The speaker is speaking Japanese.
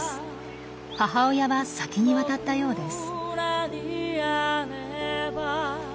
母親は先に渡ったようです。